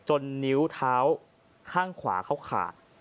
นิ้วเท้าข้างขวาเขาขาด